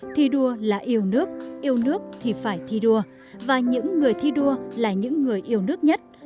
thi đua là yêu nước yêu nước thì phải thi đua và những người thi đua là những người yêu nước nhất